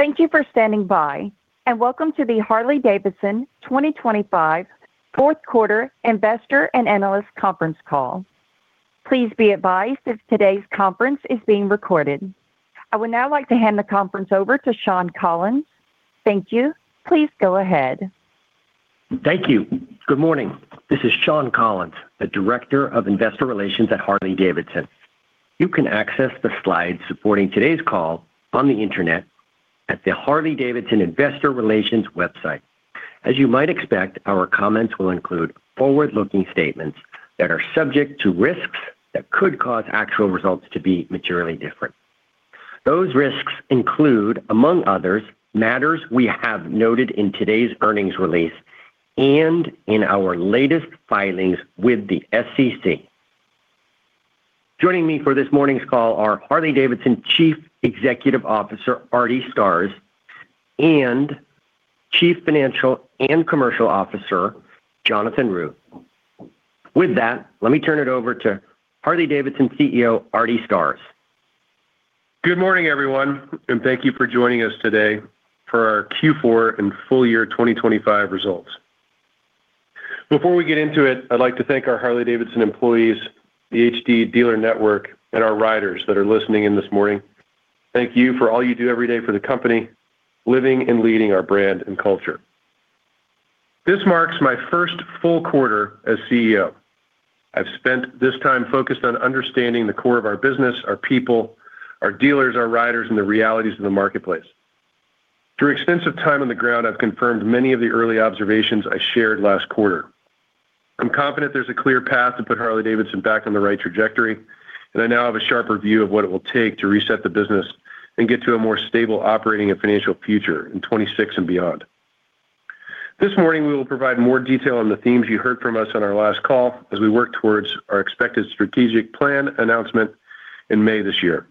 Thank you for standing by, and welcome to the Harley-Davidson 2025 Q4 investor and analyst conference call. Please be advised that today's conference is being recorded. I would now like to hand the conference over to Shawn Collins. Thank you. Please go ahead. Thank you. Good morning. This is Shawn Collins, the Director of Investor Relations at Harley-Davidson. You can access the slides supporting today's call on the Internet at the Harley-Davidson Investor Relations website. As you might expect, our comments will include forward-looking statements that are subject to risks that could cause actual results to be materially different. Those risks include, among others, matters we have noted in today's earnings release and in our latest filings with the SEC. Joining me for this morning's call are Harley-Davidson Chief Executive Officer, Artie Starrs, and Chief Financial and Commercial Officer, Jonathan Root. With that, let me turn it over to Harley-Davidson CEO, Artie Starrs. Good morning, everyone, and thank you for joining us today for our Q4 and full year 2025 results. Before we get into it, I'd like to thank our Harley-Davidson employees, the HD dealer network, and our riders that are listening in this morning. Thank you for all you do every day for the company, living and leading our brand and culture. This marks my first full quarter as CEO. I've spent this time focused on understanding the core of our business, our people, our dealers, our riders, and the realities of the marketplace. Through extensive time on the ground, I've confirmed many of the early observations I shared last quarter. I'm confident there's a clear path to put Harley-Davidson back on the right trajectory, and I now have a sharper view of what it will take to reset the business and get to a more stable operating and financial future in 2026 and beyond. This morning, we will provide more detail on the themes you heard from us on our last call as we work towards our expected strategic plan announcement in May this year.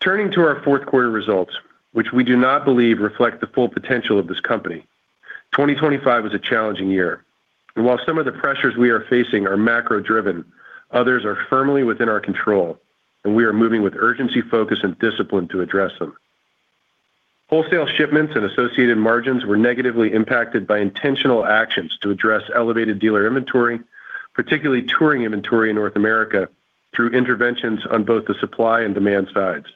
Turning to our Q4 results, which we do not believe reflect the full potential of this company, 2025 was a challenging year. While some of the pressures we are facing are macro-driven, others are firmly within our control, and we are moving with urgency, focus, and discipline to address them. Wholesale shipments and associated margins were negatively impacted by intentional actions to address elevated dealer inventory, particularly Touring inventory in North America, through interventions on both the supply and demand sides.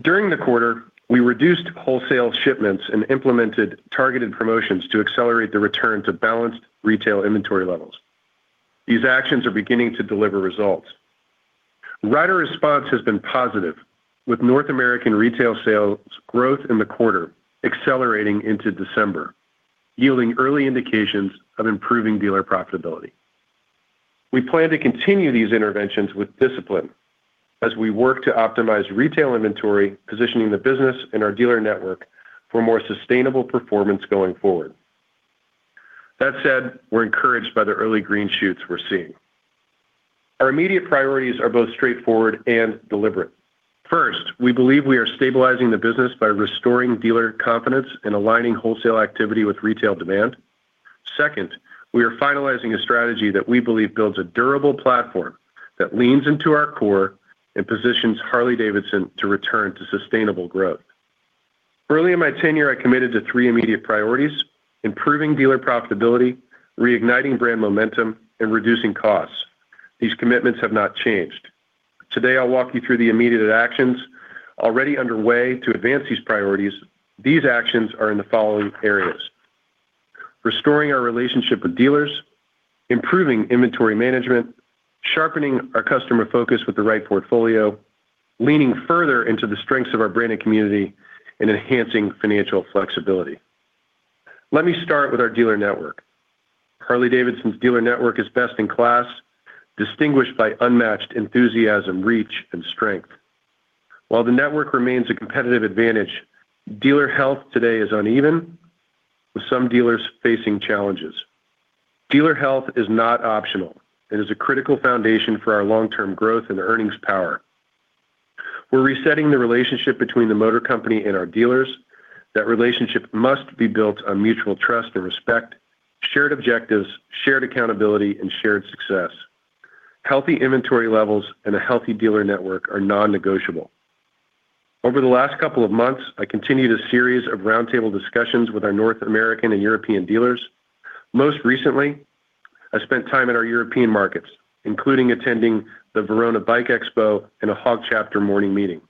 During the quarter, we reduced wholesale shipments and implemented targeted promotions to accelerate the return to balanced retail inventory levels. These actions are beginning to deliver results. Rider response has been positive, with North American retail sales growth in the quarter accelerating into December, yielding early indications of improving dealer profitability. We plan to continue these interventions with discipline as we work to optimize retail inventory, positioning the business and our dealer network for more sustainable performance going forward. That said, we're encouraged by the early green shoots we're seeing. Our immediate priorities are both straightforward and deliberate. First, we believe we are stabilizing the business by restoring dealer confidence and aligning wholesale activity with retail demand. Second, we are finalizing a strategy that we believe builds a durable platform that leans into our core and positions Harley-Davidson to return to sustainable growth. Early in my tenure, I committed to three immediate priorities: improving dealer profitability, reigniting brand momentum, and reducing costs. These commitments have not changed. Today, I'll walk you through the immediate actions already underway to advance these priorities. These actions are in the following areas: restoring our relationship with dealers, improving inventory management, sharpening our customer focus with the right portfolio, leaning further into the strengths of our brand and community, and enhancing financial flexibility. Let me start with our dealer network. Harley-Davidson's dealer network is best-in-class, distinguished by unmatched enthusiasm, reach, and strength. While the network remains a competitive advantage, dealer health today is uneven, with some dealers facing challenges. Dealer health is not optional and is a critical foundation for our long-term growth and earnings power. We're resetting the relationship between the Motor Company and our dealers. That relationship must be built on mutual trust and respect, shared objectives, shared accountability, and shared success. Healthy inventory levels and a healthy dealer network are non-negotiable. Over the last couple of months, I continued a series of roundtable discussions with our North American and European dealers. Most recently, I spent time in our European markets, including attending the Verona Motor Bike Expo and a HOG Chapter morning meeting.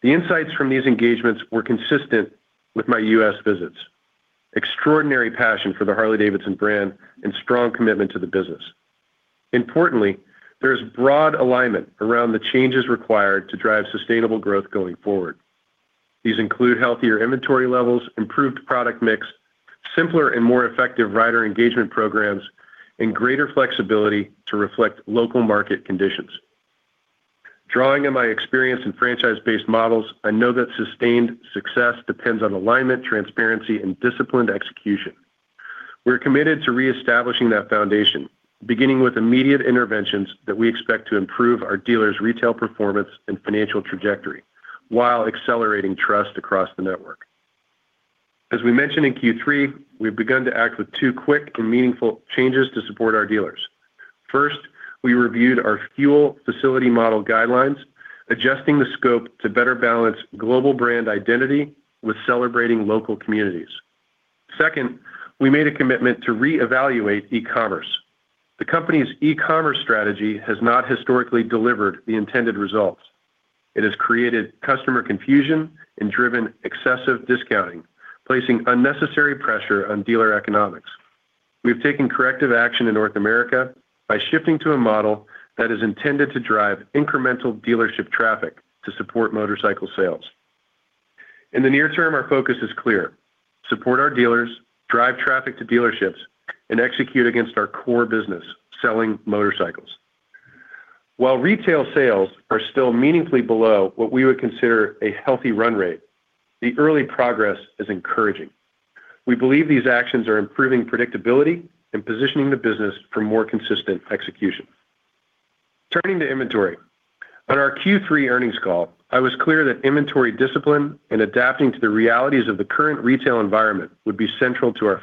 The insights from these engagements were consistent with my U.S. visits. Extraordinary passion for the Harley-Davidson brand and strong commitment to the business. Importantly, there is broad alignment around the changes required to drive sustainable growth going forward. These include healthier inventory levels, improved product mix, simpler and more effective rider engagement programs, and greater flexibility to reflect local market conditions. Drawing on my experience in franchise-based models, I know that sustained success depends on alignment, transparency, and disciplined execution. We're committed to reestablishing that foundation, beginning with immediate interventions that we expect to improve our dealers' retail performance and financial trajectory while accelerating trust across the network.... As we mentioned in Q3, we've begun to act with two quick and meaningful changes to support our dealers. First, we reviewed our Fuel facility model guidelines, adjusting the scope to better balance global brand identity with celebrating local communities. Second, we made a commitment to reevaluate e-commerce. The company's e-commerce strategy has not historically delivered the intended results. It has created customer confusion and driven excessive discounting, placing unnecessary pressure on dealer economics. We've taken corrective action in North America by shifting to a model that is intended to drive incremental dealership traffic to support motorcycle sales. In the near term, our focus is clear: support our dealers, drive traffic to dealerships, and execute against our core business, selling motorcycles. While retail sales are still meaningfully below what we would consider a healthy run rate, the early progress is encouraging. We believe these actions are improving predictability and positioning the business for more consistent execution. Turning to inventory. On our Q3 earnings call, I was clear that inventory discipline and adapting to the realities of the current retail environment would be central to our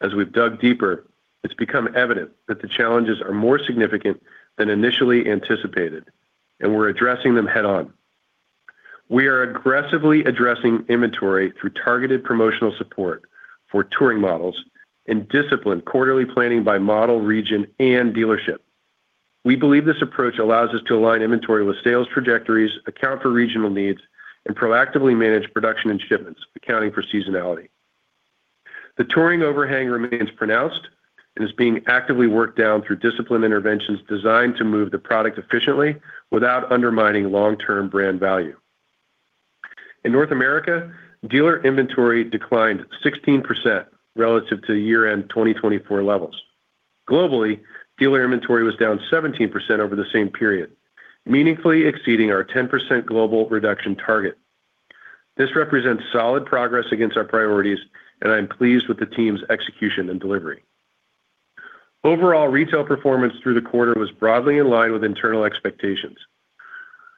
focus. As we've dug deeper, it's become evident that the challenges are more significant than initially anticipated, and we're addressing them head-on. We are aggressively addressing inventory through targeted promotional support for Touring models and disciplined quarterly planning by model, region, and dealership. We believe this approach allows us to align inventory with sales trajectories, account for regional needs, and proactively manage production and shipments, accounting for seasonality. The Touring overhang remains pronounced and is being actively worked down through disciplined interventions designed to move the product efficiently without undermining long-term brand value. In North America, dealer inventory declined 16% relative to year-end 2024 levels. Globally, dealer inventory was down 17% over the same period, meaningfully exceeding our 10% global reduction target. This represents solid progress against our priorities, and I'm pleased with the team's execution and delivery. Overall, retail performance through the quarter was broadly in line with internal expectations.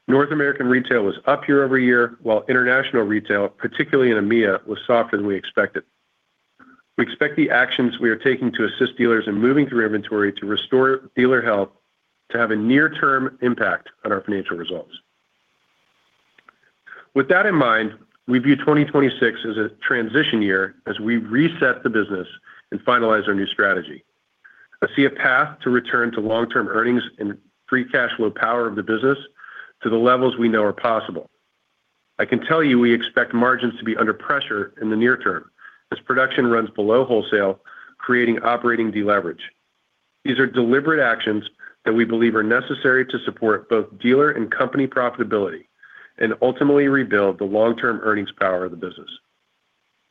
North American retail was up year-over-year, while international retail, particularly in EMEA, was softer than we expected. We expect the actions we are taking to assist dealers in moving through inventory to restore dealer health to have a near-term impact on our financial results. With that in mind, we view 2026 as a transition year as we reset the business and finalize our new strategy. I see a path to return to long-term earnings and free cash flow power of the business to the levels we know are possible. I can tell you we expect margins to be under pressure in the near term as production runs below wholesale, creating operating deleverage. These are deliberate actions that we believe are necessary to support both dealer and company profitability and ultimately rebuild the long-term earnings power of the business.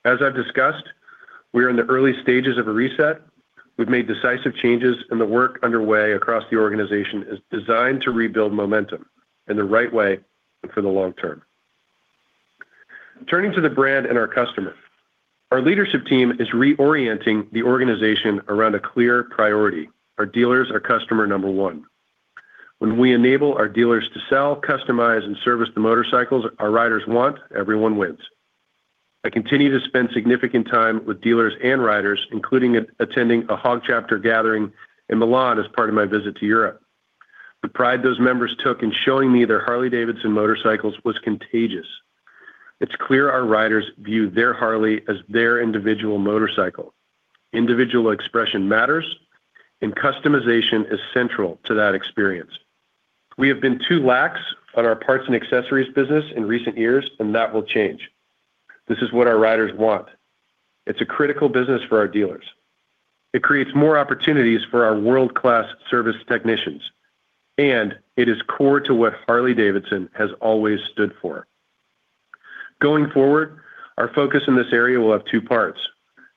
As I've discussed, we are in the early stages of a reset. We've made decisive changes, and the work underway across the organization is designed to rebuild momentum in the right way and for the long term. Turning to the brand and our customer. Our leadership team is reorienting the organization around a clear priority. Our dealers are customer number one. When we enable our dealers to sell, customize, and service the motorcycles our riders want, everyone wins. I continue to spend significant time with dealers and riders, including attending a HOG chapter gathering in Milan as part of my visit to Europe. The pride those members took in showing me their Harley-Davidson motorcycles was contagious. It's clear our riders view their Harley as their individual motorcycle. Individual expression matters, and customization is central to that experience. We have been too lax on our parts and accessories business in recent years, and that will change. This is what our riders want. It's a critical business for our dealers. It creates more opportunities for our world-class service technicians, and it is core to what Harley-Davidson has always stood for. Going forward, our focus in this area will have two parts: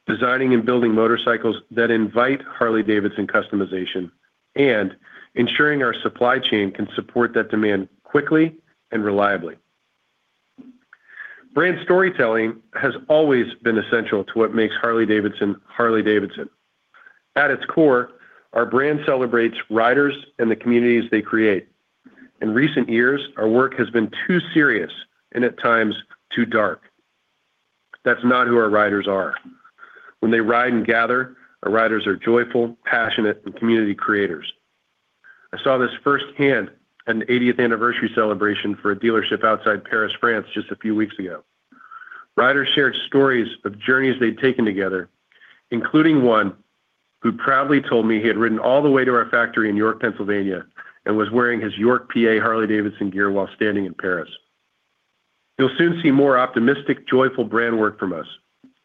designing and building motorcycles that invite Harley-Davidson customization, and ensuring our supply chain can support that demand quickly and reliably. Brand storytelling has always been essential to what makes Harley-Davidson, Harley-Davidson. At its core, our brand celebrates riders and the communities they create. In recent years, our work has been too serious and at times, too dark. That's not who our riders are. When they ride and gather, our riders are joyful, passionate, and community creators. I saw this firsthand at an 80th anniversary celebration for a dealership outside Paris, France, just a few weeks ago. Riders shared stories of journeys they'd taken together, including one who proudly told me he had ridden all the way to our factory in York, Pennsylvania, and was wearing his York, PA, Harley-Davidson gear while standing in Paris. You'll soon see more optimistic, joyful brand work from us,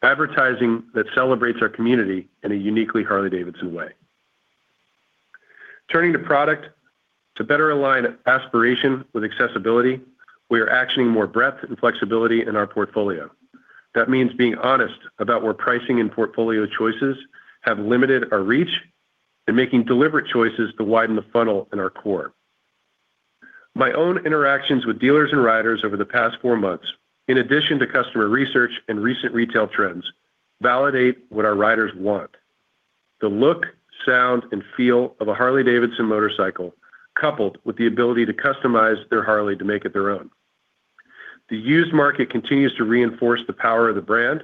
advertising that celebrates our community in a uniquely Harley-Davidson way. Turning to product. To better align aspiration with accessibility, we are actioning more breadth and flexibility in our portfolio. That means being honest about where pricing and portfolio choices have limited our reach and making deliberate choices to widen the funnel in our core. My own interactions with dealers and riders over the past 4 months, in addition to customer research and recent retail trends, validate what our riders want.... The look, sound, and feel of a Harley-Davidson motorcycle, coupled with the ability to customize their Harley to make it their own. The used market continues to reinforce the power of the brand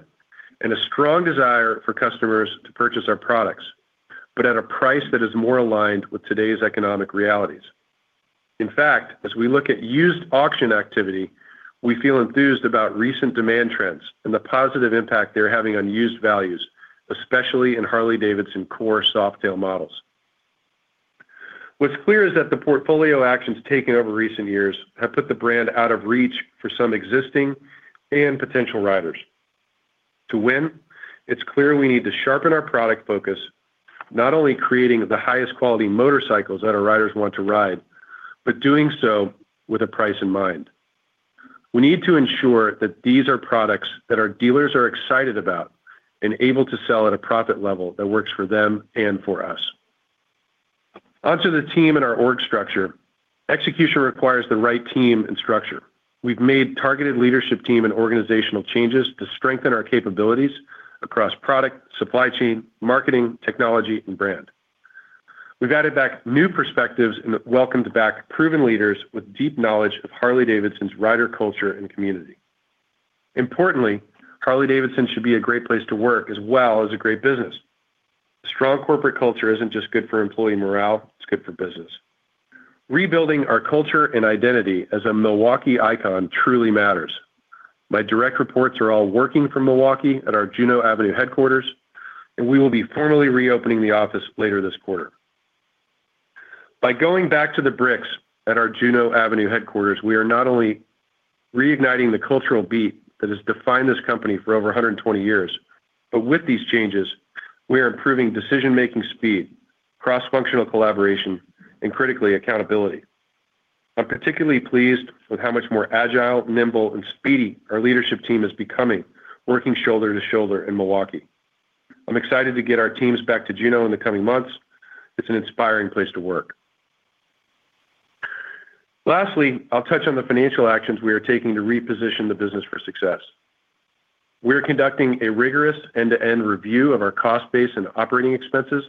and a strong desire for customers to purchase our products, but at a price that is more aligned with today's economic realities. In fact, as we look at used auction activity, we feel enthused about recent demand trends and the positive impact they're having on used values, especially in Harley-Davidson core Softail models. What's clear is that the portfolio actions taken over recent years have put the brand out of reach for some existing and potential riders. To win, it's clear we need to sharpen our product focus, not only creating the highest quality motorcycles that our riders want to ride, but doing so with a price in mind. We need to ensure that these are products that our dealers are excited about and able to sell at a profit level that works for them and for us. Onto the team and our org structure. Execution requires the right team and structure. We've made targeted leadership team and organizational changes to strengthen our capabilities across product, supply chain, marketing, technology, and brand. We've added back new perspectives and welcomed back proven leaders with deep knowledge of Harley-Davidson's rider culture and community. Importantly, Harley-Davidson should be a great place to work as a great business. Strong corporate culture isn't just good for employee morale, it's good for business. Rebuilding our culture and identity as a Milwaukee icon truly matters. My direct reports are all working from Milwaukee at our Juneau Avenue headquarters, and we will be formally reopening the office later this quarter. By going back to the bricks at our Juneau Avenue headquarters, we are not only reigniting the cultural beat that has defined this company for over 120 years, but with these changes, we are improving decision-making speed, cross-functional collaboration, and critically, accountability. I'm particularly pleased with how much more agile, nimble, and speedy our leadership team is becoming, working shoulder to shoulder in Milwaukee. I'm excited to get our teams back to Juneau in the coming months. It's an inspiring place to work. Lastly, I'll touch on the financial actions we are taking to reposition the business for success. We are conducting a rigorous end-to-end review of our cost base and operating expenses,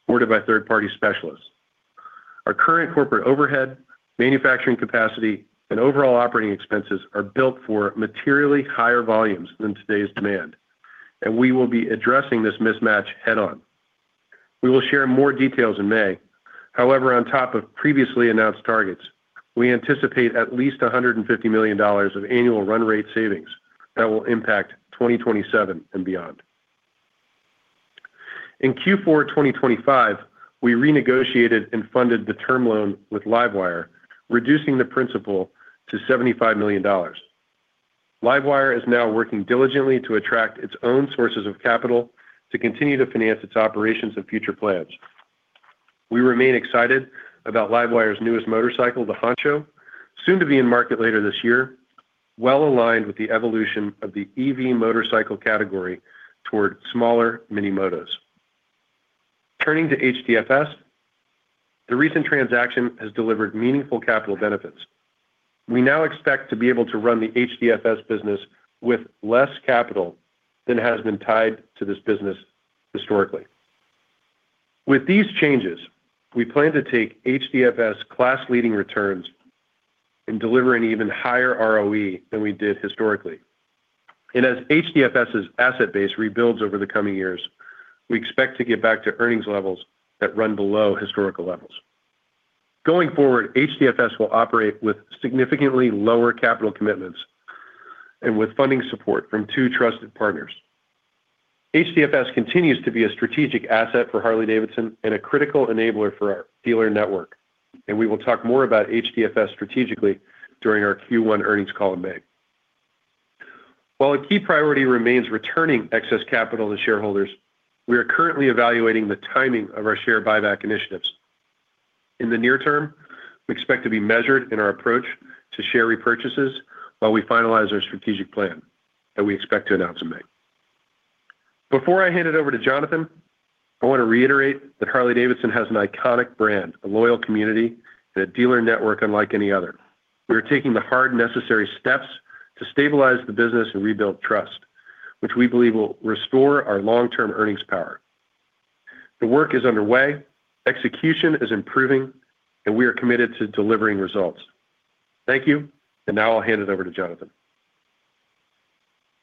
supported by third-party specialists. Our current corporate overhead, manufacturing capacity, and overall operating expenses are built for materially higher volumes than today's demand, and we will be addressing this mismatch head-on. We will share more details in May. However, on top of previously announced targets, we anticipate at least $150 million of annual run rate savings that will impact 2027 and beyond. In Q4 2025, we renegotiated and funded the term loan with LiveWire, reducing the principal to $75 million. LiveWire is now working diligently to attract its own sources of capital to continue to finance its operations and future plans. We remain excited about LiveWire's newest motorcycle, the Honcho, soon to be in market later this year, well-aligned with the evolution of the EV motorcycle category toward smaller mini motos. Turning to HDFS, the recent transaction has delivered meaningful capital benefits. We now expect to be able to run the HDFS business with less capital than has been tied to this business historically. With these changes, we plan to take HDFS class-leading returns in delivering even higher ROE than we did historically. As HDFS's asset base rebuilds over the coming years, we expect to get back to earnings levels that run below historical levels. Going forward, HDFS will operate with significantly lower capital commitments and with funding support from two trusted partners. HDFS continues to be a strategic asset for Harley-Davidson and a critical enabler for our dealer network, and we will talk more about HDFS strategically during our Q1 earnings call in May. While a key priority remains returning excess capital to shareholders, we are currently evaluating the timing of our share buyback initiatives. In the near term, we expect to be measured in our approach to share repurchases while we finalize our strategic plan that we expect to announce in May. Before I hand it over to Jonathan, I want to reiterate that Harley-Davidson has an iconic brand, a loyal community, and a dealer network unlike any other. We are taking the hard, necessary steps to stabilize the business and rebuild trust, which we believe will restore our long-term earnings power. The work is underway, execution is improving, and we are committed to delivering results. Thank you, and now I'll hand it over to Jonathan.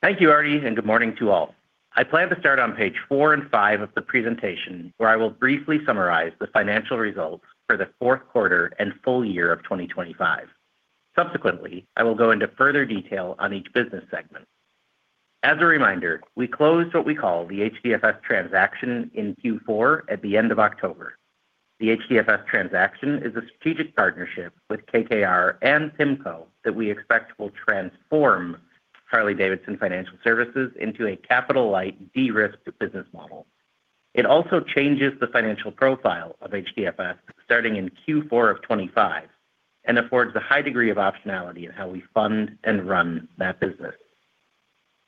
Thank you, Artie, and good morning to all. I plan to start on page 4 and 5 of the presentation, where I will briefly summarize the financial results for the Q4 and full year of 2025. Subsequently, I will go into further detail on each business segment. As a reminder, we closed what we call the HDFS transaction in Q4 at the end of October. The HDFS transaction is a strategic partnership with KKR and PIMCO that we expect will transform Harley-Davidson Financial Services into a capital-light, de-risked business model. It also changes the financial profile of HDFS starting in Q4 of 2025 and affords a high degree of optionality in how we fund and run that business.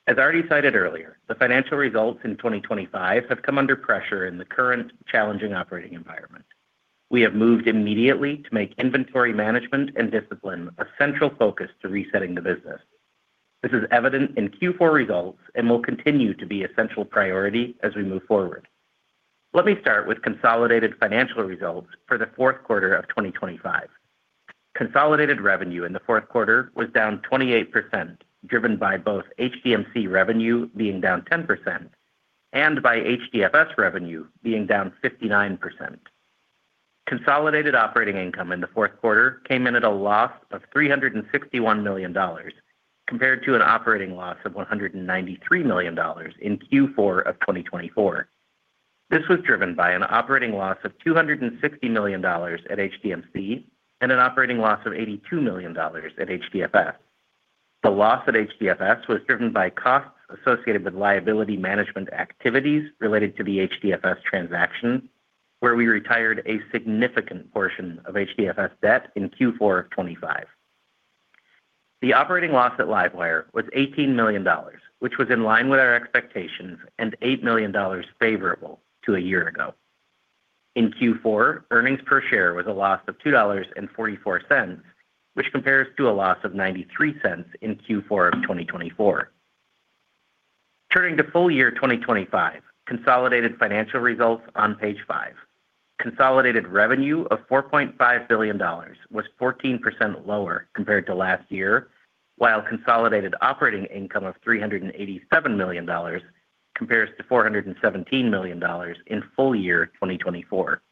As already cited earlier, the financial results in 2025 have come under pressure in the current challenging operating environment. We have moved immediately to make inventory management and discipline a central focus to resetting the business. This is evident in Q4 results and will continue to be a central priority as we move forward. Let me start with consolidated financial results for the Q4 of 2025. Consolidated revenue in the Q4 was down 28%, driven by both HDMC revenue being down 10% and by HDFS revenue being down 59%. Consolidated operating income in the Q4 came in at a loss of $361 million, compared to an operating loss of $193 million in Q4 of 2024. This was driven by an operating loss of $260 million at HDMC and an operating loss of $82 million at HDFS. The loss at HDFS was driven by costs associated with liability management activities related to the HDFS transaction, where we retired a significant portion of HDFS debt in Q4 of 2025. The operating loss at LiveWire was $18 million, which was in line with our expectations and $8 million favorable to a year ago. In Q4, earnings per share was a loss of $2.44, which compares to a loss of $0.93 in Q4 of 2024. Turning to full year 2025, consolidated financial results on page 5. Consolidated revenue of $4.5 billion was 14% lower compared to last year, while consolidated operating income of $387 million compares to $417 million in full year 2024.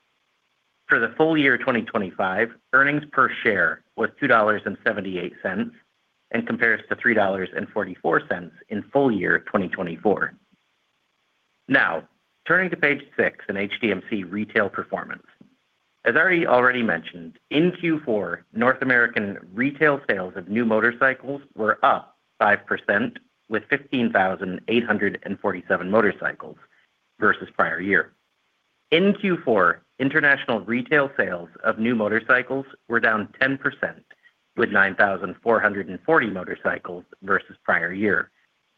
For the full year 2025, earnings per share was $2.78 and compares to $3.44 in full year 2024. Now, turning to page 6 in HDMC retail performance. As I already mentioned, in Q4, North American retail sales of new motorcycles were up 5%, with 15,847 motorcycles versus prior year. In Q4, international retail sales of new motorcycles were down 10%, with 9,440 motorcycles versus prior year,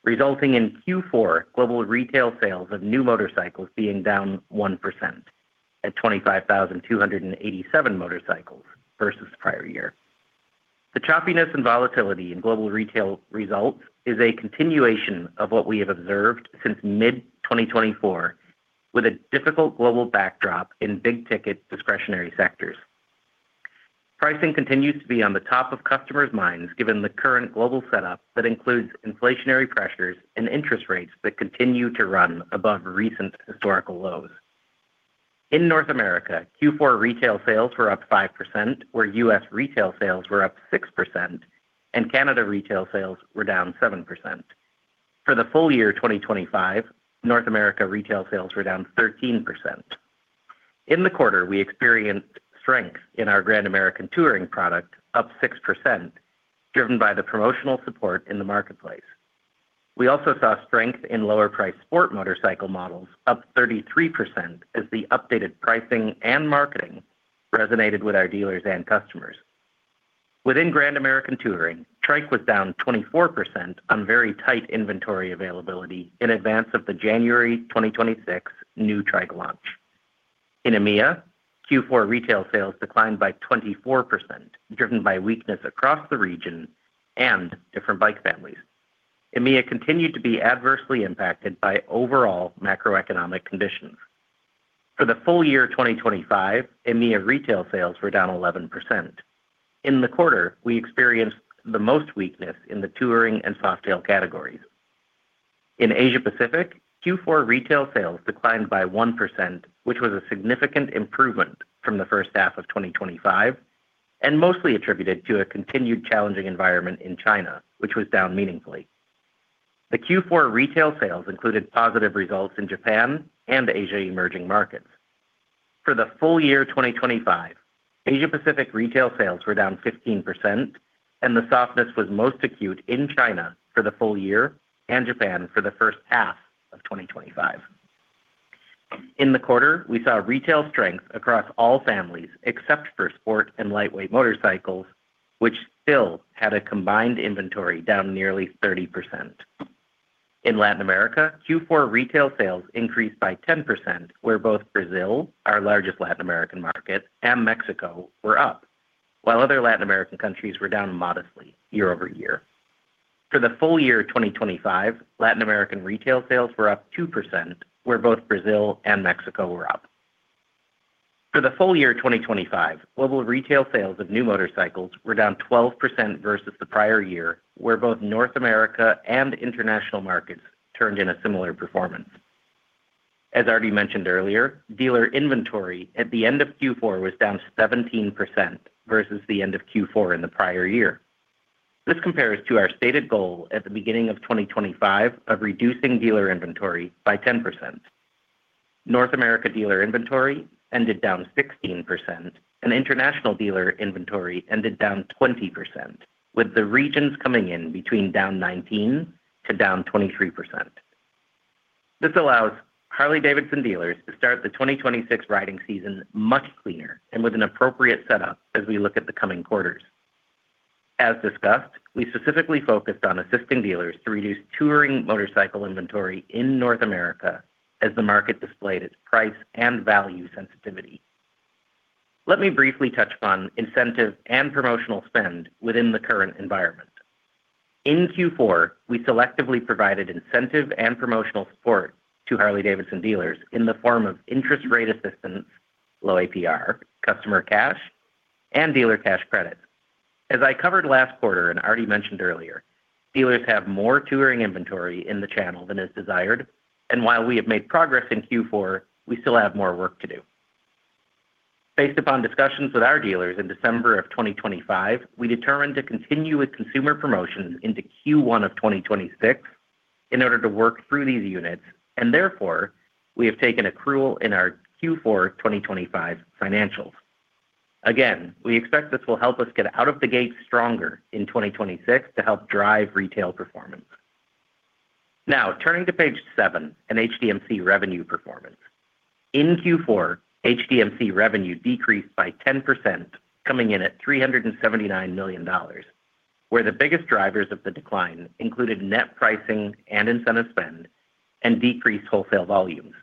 resulting in Q4 global retail sales of new motorcycles being down 1% at 25,287 motorcycles versus prior year. The choppiness and volatility in global retail results is a continuation of what we have observed since mid-2024, with a difficult global backdrop in big ticket discretionary sectors. Pricing continues to be on the top of customers' minds, given the current global setup that includes inflationary pressures and interest rates that continue to run above recent historical lows. In North America, Q4 retail sales were up 5%, where U.S. retail sales were up 6% and Canada retail sales were down 7%. For the full year 2025, North America retail sales were down 13%. In the quarter, we experienced strength in our Grand American Touring product, up 6%, driven by the promotional support in the marketplace. We also saw strength in lower-priced Sport motorcycle models, up 33%, as the updated pricing and marketing resonated with our dealers and customers. Within Grand American Touring, Trike was down 24% on very tight inventory availability in advance of the January 2026 new Trike launch. In EMEA, Q4 retail sales declined by 24%, driven by weakness across the region and different bike families. EMEA continued to be adversely impacted by overall macroeconomic conditions. For the full year 2025, EMEA retail sales were down 11%. In the quarter, we experienced the most weakness in the Touring and Softail categories. In Asia Pacific, Q4 retail sales declined by 1%, which was a significant improvement from the H1 of 2025, and mostly attributed to a continued challenging environment in China, which was down meaningfully. The Q4 retail sales included positive results in Japan and Asia emerging markets. For the full year 2025, Asia Pacific retail sales were down 15%, and the softness was most acute in China for the full year and Japan for the H1 of 2025. In the quarter, we saw retail strength across all families except for sport and lightweight motorcycles, which still had a combined inventory down nearly 30%. In Latin America, Q4 retail sales increased by 10%, where both Brazil, our largest Latin American market, and Mexico were up, while other Latin American countries were down modestly year over year. For the full year 2025, Latin American retail sales were up 2%, where both Brazil and Mexico were up. For the full year 2025, global retail sales of new motorcycles were down 12% versus the prior year, where both North America and international markets turned in a similar performance. As already mentioned earlier, dealer inventory at the end of Q4 was down 17% versus the end of Q4 in the prior year. This compares to our stated goal at the beginning of 2025 of reducing dealer inventory by 10%. North America dealer inventory ended down 16%, and international dealer inventory ended down 20%, with the regions coming in between down 19%-23%. This allows Harley-Davidson dealers to start the 2026 riding season much cleaner and with an appropriate setup as we look at the coming quarters... As discussed, we specifically focused on assisting dealers to reduce Touring motorcycle inventory in North America as the market displayed its price and value sensitivity. Let me briefly touch upon incentive and promotional spend within the current environment. In Q4, we selectively provided incentive and promotional support to Harley-Davidson dealers in the form of interest rate assistance, low APR, customer cash, and dealer cash credit. As I covered last quarter and already mentioned earlier, dealers have more Touring inventory in the channel than is desired, and while we have made progress in Q4, we still have more work to do. Based upon discussions with our dealers in December of 2025, we determined to continue with consumer promotions into Q1 of 2026 in order to work through these units, and therefore, we have taken accrual in our Q4 2025 financials. Again, we expect this will help us get out of the gate stronger in 2026 to help drive retail performance. Now, turning to page 7, and HDMC revenue performance. In Q4, HDMC revenue decreased by 10%, coming in at $379 million, where the biggest drivers of the decline included net pricing and incentive spend and decreased wholesale volumes.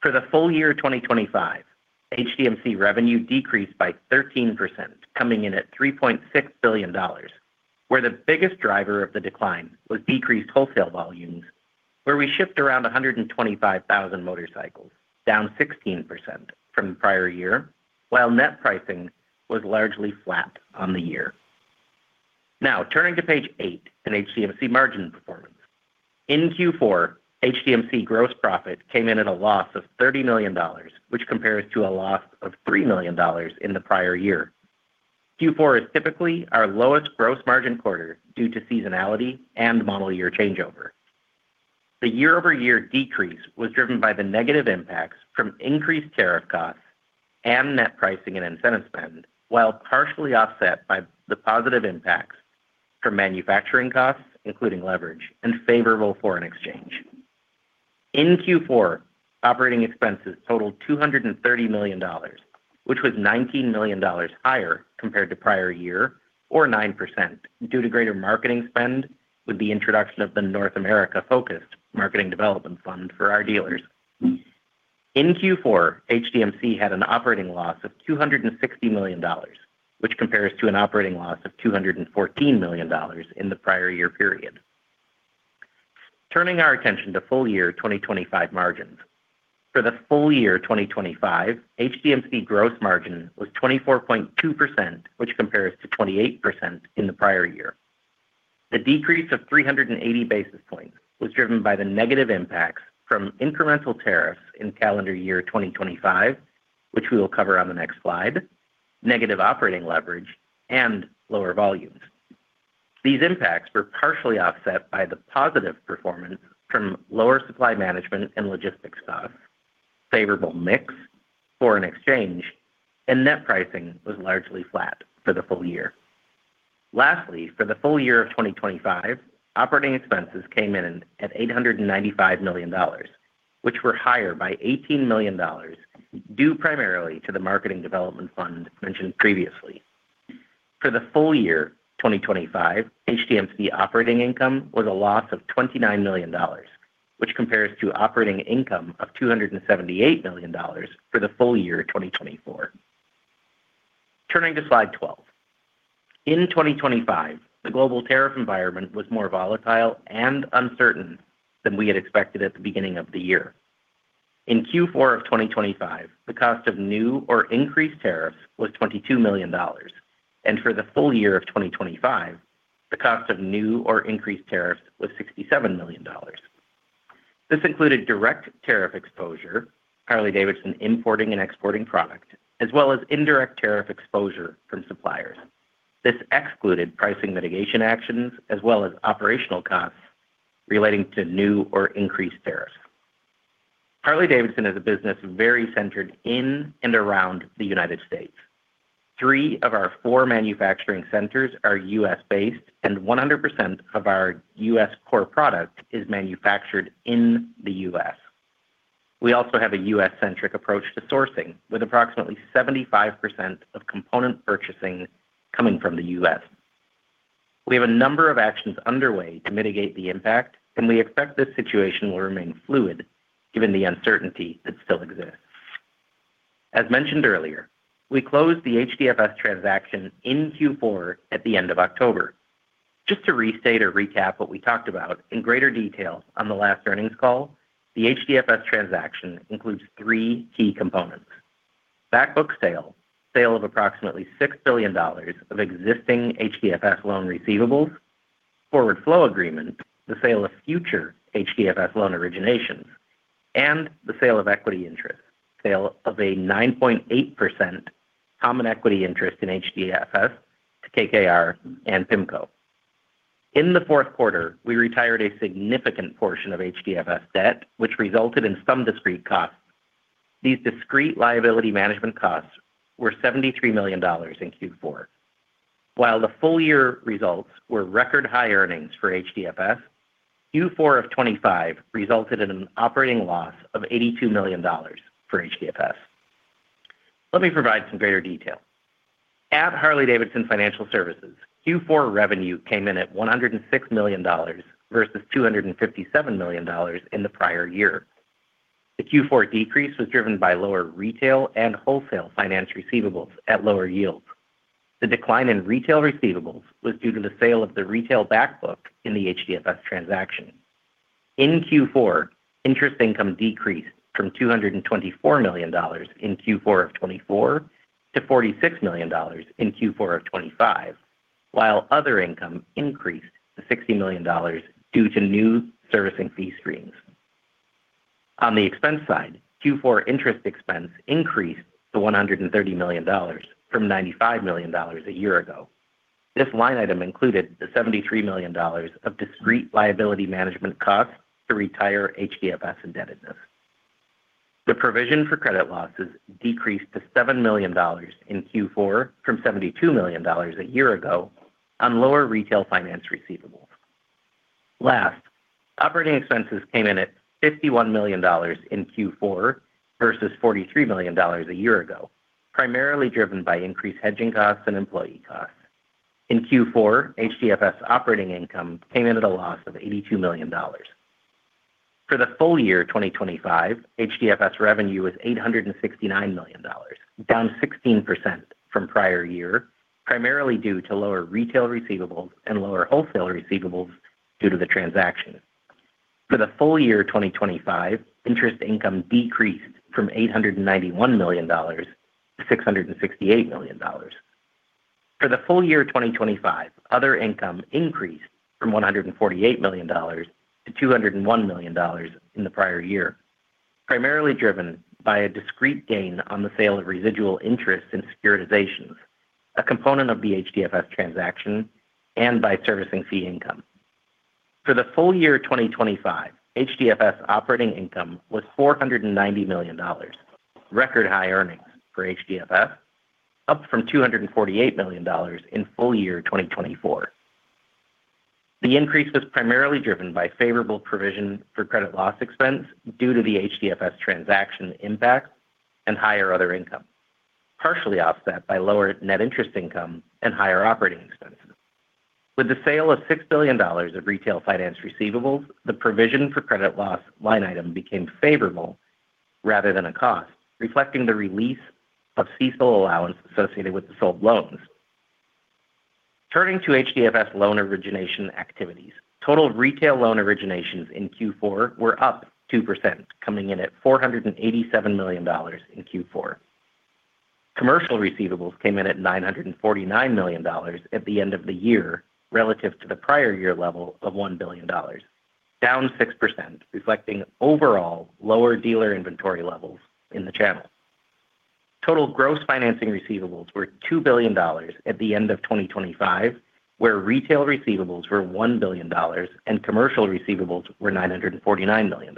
For the full year 2025, HDMC revenue decreased by 13%, coming in at $3.6 billion, where the biggest driver of the decline was decreased wholesale volumes, where we shipped around 125,000 motorcycles, down 16% from the prior year, while net pricing was largely flat on the year. Now, turning to page 8 in HDMC margin performance. In Q4, HDMC gross profit came in at a loss of $30 million, which compares to a loss of $3 million in the prior year. Q4 is typically our lowest gross margin quarter due to seasonality and model year changeover. The year-over-year decrease was driven by the negative impacts from increased tariff costs and net pricing and incentive spend, while partially offset by the positive impacts from manufacturing costs, including leverage and favorable foreign exchange. In Q4, operating expenses totaled $230 million, which was $19 million higher compared to prior year or 9%, due to greater marketing spend with the introduction of the North America-focused Marketing Development Fund for our dealers. In Q4, HDMC had an operating loss of $260 million, which compares to an operating loss of $214 million in the prior year period. Turning our attention to full-year 2025 margins. For the full-year 2025, HDMC gross margin was 24.2%, which compares to 28% in the prior year. The decrease of 380 basis points was driven by the negative impacts from incremental tariffs in calendar year 2025, which we will cover on the next slide, negative operating leverage, and lower volumes. These impacts were partially offset by the positive performance from lower supply management and logistics costs, favorable mix, foreign exchange, and net pricing was largely flat for the full year. Lastly, for the full year of 2025, operating expenses came in at $895 million, which were higher by $18 million, due primarily to the marketing development fund mentioned previously. For the full year 2025, HDMC operating income was a loss of $29 million, which compares to operating income of $278 million for the full year 2024. Turning to slide 12. In 2025, the global tariff environment was more volatile and uncertain than we had expected at the beginning of the year. In Q4 of 2025, the cost of new or increased tariffs was $22 million, and for the full year of 2025, the cost of new or increased tariffs was $67 million. This included direct tariff exposure, Harley-Davidson importing and exporting product, as operational costs relating to new or increased tariffs. Harley-Davidson is a business very centered in and around the United States. 3 of our 4 manufacturing centers are U.S.-based, and 100% of our U.S. core product is manufactured in the U.S. We also have a U.S.-centric approach to sourcing, with approximately 75% of component purchasing coming from the U.S. We have a number of actions underway to mitigate the impact, and we expect this situation will remain fluid given the uncertainty that still exists. As mentioned earlier, we closed the HDFS transaction in Q4 at the end of October. Just to restate or recap what we talked about in greater detail on the last earnings call, the HDFS transaction includes three key components: back book sale, sale of approximately $6 billion of existing HDFS loan receivables, forward flow agreement, the sale of future HDFS loan originations, and the sale of equity interest, sale of a 9.8% common equity interest in HDFS to KKR and PIMCO. In the Q4, we retired a significant portion of HDFS debt, which resulted in some discrete costs. These discrete liability management costs were $73 million in Q4. While the full year results were record-high earnings for HDFS, Q4 of 2025 resulted in an operating loss of $82 million for HDFS. Let me provide some greater detail. At Harley-Davidson Financial Services, Q4 revenue came in at $106 million, versus $257 million in the prior year. The Q4 decrease was driven by lower retail and wholesale finance receivables at lower yields. The decline in retail receivables was due to the sale of the retail back book in the HDFS transaction. In Q4, interest income decreased from $224 million in Q4 of 2024, to $46 million in Q4 of 2025, while other income increased to $60 million due to new servicing fee streams. On the expense side, Q4 interest expense increased to $130 million from $95 million a year ago. This line item included the $73 million of discrete liability management costs to retire HDFS indebtedness. The provision for credit losses decreased to $7 million in Q4 from $72 million a year ago on lower retail finance receivables. Last, operating expenses came in at $51 million in Q4 versus $43 million a year ago, primarily driven by increased hedging costs and employee costs. In Q4, HDFS operating income came in at a loss of $82 million. For the full year 2025, HDFS revenue was $869 million, down 16% from prior year, primarily due to lower retail receivables and lower wholesale receivables due to the transaction. For the full year 2025, interest income decreased from $891 million to $668 million. For the full year 2025, other income increased from $148 million to $201 million in the prior year, primarily driven by a discrete gain on the sale of residual interest in securitizations, a component of the HDFS transaction, and by servicing fee income. For the full year 2025, HDFS operating income was $490 million. Record high earnings for HDFS, up from $248 million in full year 2024. The increase was primarily driven by favorable provision for credit loss expense due to the HDFS transaction impact and higher other income, partially offset by lower net interest income and higher operating expenses. With the sale of $6 billion of retail finance receivables, the provision for credit loss line item became favorable rather than a cost, reflecting the release of CECL allowance associated with the sold loans. Turning to HDFS loan origination activities, total retail loan originations in Q4 were up 2%, coming in at $487 million in Q4. Commercial receivables came in at $949 million at the end of the year, relative to the prior year level of $1 billion, down 6%, reflecting overall lower dealer inventory levels in the channel. Total gross financing receivables were $2 billion at the end of 2025, where retail receivables were $1 billion and commercial receivables were $949 million.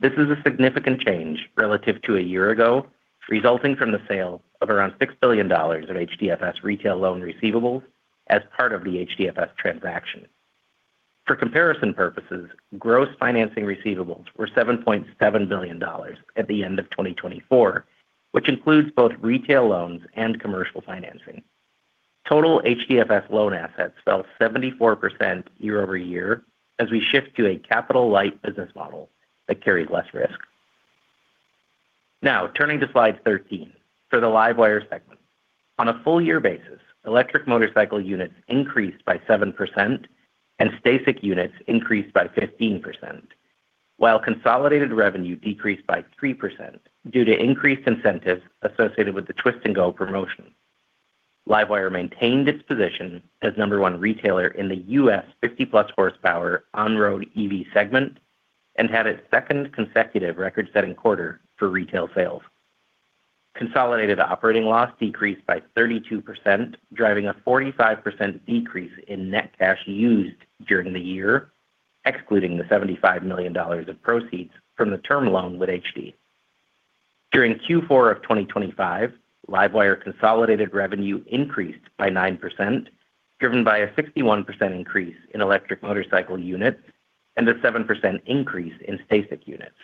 This is a significant change relative to a year ago, resulting from the sale of around $6 billion of HDFS retail loan receivables as part of the HDFS transaction. For comparison purposes, gross financing receivables were $7.7 billion at the end of 2024, which includes both retail loans and commercial financing. Total HDFS loan assets fell 74% year-over-year as we shift to a capital-light business model that carried less risk. Now, turning to slide 13, for the LiveWire segment. On a full year basis, electric motorcycle units increased by 7% and STACYC units increased by 15%, while consolidated revenue decreased by 3% due to increased incentives associated with the Twist & Go promotion. LiveWire maintained its position as No. 1 retailer in the U.S. 50-plus horsepower on-road EV segment and had its second consecutive record-setting quarter for retail sales. Consolidated operating loss decreased by 32%, driving a 45% decrease in net cash used during the year, excluding the $75 million of proceeds from the term loan with HD. During Q4 of 2025, LiveWire consolidated revenue increased by 9%, driven by a 61% increase in electric motorcycle units and a 7% increase in STACYC units.